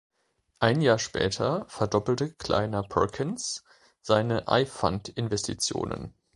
Ein Jahr später verdoppelte Kleiner Perkins seine iFund-Investitionen.